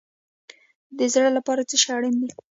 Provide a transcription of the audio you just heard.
د زړه لپاره څه شی اړین دی؟